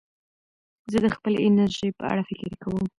زه د خپلې انرژۍ په اړه فکر کوم.